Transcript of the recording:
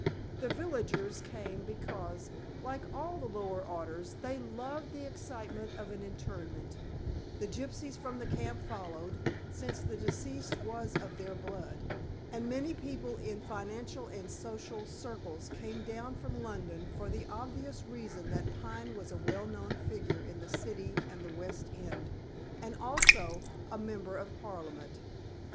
The villagers came because, like all the lower orders, they loved the excitement of an interment; the gypsies from the camp followed, since the deceased was of their blood; and many people in financial and social circles came down from London for the obvious reason that Pine was a well known figure in the City and the West End, and also a member of Parliament.